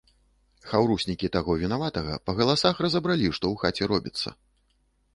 Хаўруснікі таго вінаватага па галасах разабралі, што ў хаце робіцца.